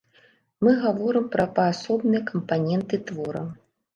Мы гаворым пра паасобныя кампаненты твора.